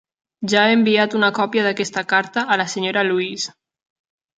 Ja he enviat una còpia d'aquesta carta a la Sra. Louise.